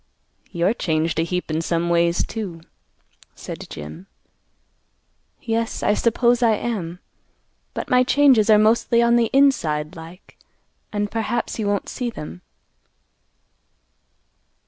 "You're changed a heap in some ways, too," said Jim. "Yes, I suppose I am; but my changes are mostly on the inside like; and perhaps he won't see them."